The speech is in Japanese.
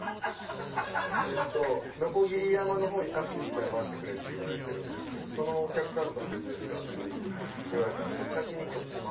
のこぎり山のほうにタクシー１台回してくれって言われてるんですけどそのお客さんとは別ですか？って言われたんで。